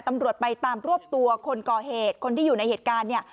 ตำรวจไปตามรวบตัวคนก่อเหตุคนที่อยู่ในเหตุการณ์เนี่ย